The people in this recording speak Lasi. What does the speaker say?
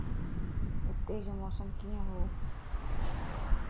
ھتي جو موسم ڪيئن ھو؟